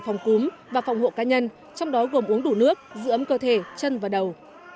phòng cúm và phòng hộ cá nhân trong đó gồm uống đủ nước giữ ấm cơ thể chân và đầu